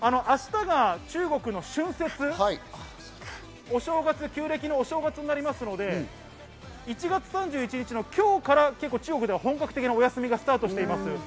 明日が中国の春節、旧暦のお正月となりますので、１月３１日の今日から中国では本格的なお休みがスタートしています。